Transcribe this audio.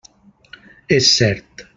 És cert.